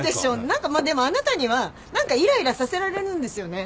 何かでもあなたには何かいらいらさせられるんですよね。